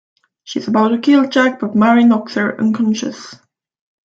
She is about to kill Jack, but Mary knocks her unconscious.